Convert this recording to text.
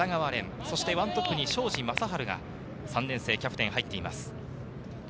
そして１トップに庄司壮晴が３年生キャプテン入っています。